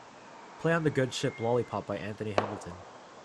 play on the good ship lollipop by Anthony Hamilton